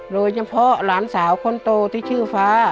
โดยเฉพาะหลานสาวคนโตที่ชื่อฟ้า